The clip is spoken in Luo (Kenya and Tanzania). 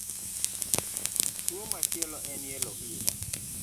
Tuwo machielo en yellow fever.